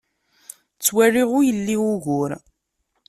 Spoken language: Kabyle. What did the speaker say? Ttwaliɣ ur yelli wugur.